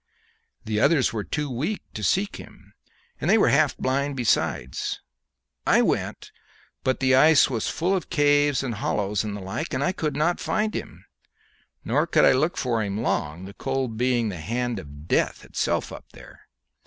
The others were too weak to seek him, and they were half blind besides; I went, but the ice was full of caves and hollows, and the like, and I could not find him, nor could I look for him long, the cold being the hand of death itself up there.